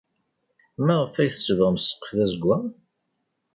Maɣef ay tsebɣem ssqef d azewwaɣ?